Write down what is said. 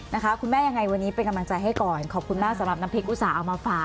นะคะคุณแม่ยังไงวันนี้เป็นกำลังใจให้ก่อนขอบคุณมากสำหรับน้ำพริกอุตส่าห์เอามาฝาก